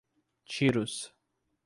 Tiros